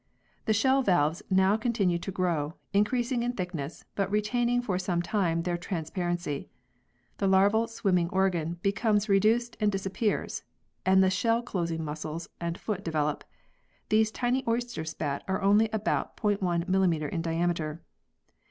The shell valves now continue to grow, increasing in thickness, but retaining for some time their trans parency. The larval swimming organ becomes re duced and disappears, and the shell closing muscles and foot develop. These tiny oyster spat are only about 0*1 mm. in diameter.